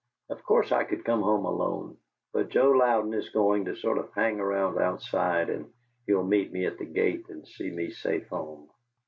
Of course I could come home alone. But Joe Louden is going to sort of hang around outside, and he'll meet me at the gate and see me safe home."